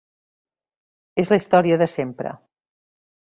És la història de sempre.